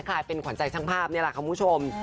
กลายเป็นขวัญใจช่างภาพนี่แหละคุณผู้ชม